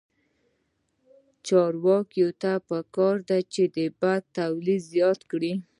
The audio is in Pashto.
چارواکو ته پکار ده چې، برق تولید زیات کړي.